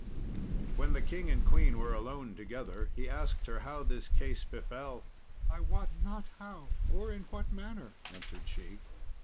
When the king and queen were alone together he asked her how this case befell. "I wot not how or in what manner," answered she.